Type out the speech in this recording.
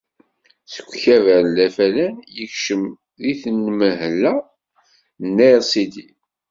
Seg ukabar n Lafalan, yekcem deg tenmehla n Arsidi.